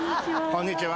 こんにちは